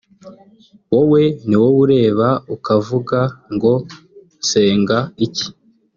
wowe ni wowe ureba ukavuga ngo nsenga iki